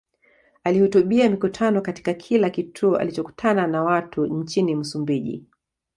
Alihutubia mikutano katika kila kituo alichokutana na watu nchini Msumbiji